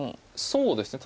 そうですね。